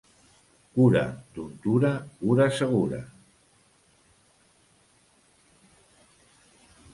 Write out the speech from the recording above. Cura d'untura, cura segura.